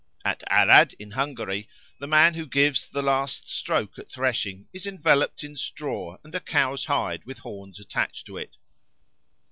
At Arad, in Hungary, the man who gives the last stroke at threshing is enveloped in straw and a cow's hide with the horns attached to it.